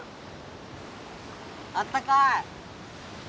あったかい！